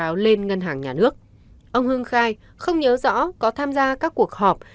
ông hưng khai không nhớ rõ có tham gia các cuộc họp